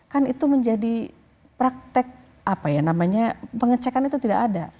kan itu menjadi praktek apa ya namanya pengecekan itu tidak ada